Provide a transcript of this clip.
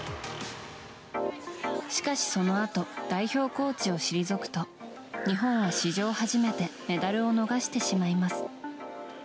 しかし、そのあと代表コーチを退くと日本は史上初めてメダルを逃してしまいます。